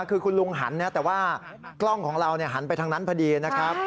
คือคุณลุงหันแต่ว่ากล้องของเราหันไปทางนั้นพอดีนะครับ